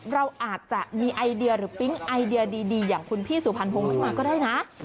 เราอาจจะมีไอเดียหรือปิ๊งไอเดียดีอย่างคุณพี่สุพรรณพงศ์ขึ้นมาก็ได้นะ